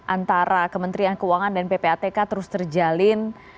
antara kementerian keuangan dan ppatk terus terjalin